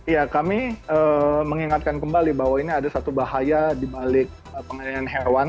ya kami mengingatkan kembali bahwa ini ada satu bahaya dibalik pengadaan hewan